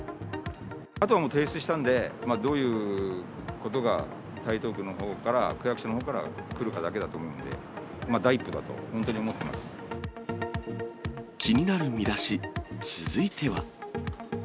あとはもう、提出したんで、どういうことが台東区のほうから、区役所のほうから来るだけだと思うんで、第一歩だと、本当に思っ気になるミダシ、続いては。